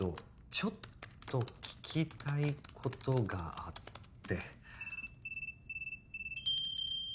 「ちょっと聞きたいことがあって」